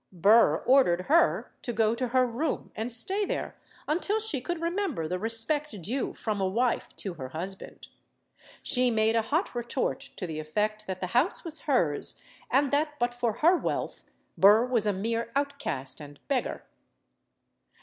Burr ordered her to go to her room and stay there until she could remember the respect due from a wife to her husband. She made a hot retort to the effect that the house was hers, and that, but for her wealth, Burr was a mere outcast and beggar.